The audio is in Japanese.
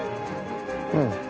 うん。